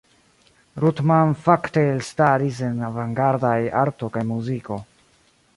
Ruttmann fakte elstaris en avangardaj arto kaj muziko.